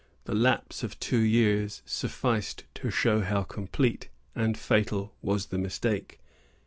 The lapse of two years sufficed to show how complete and fatal was the mistake.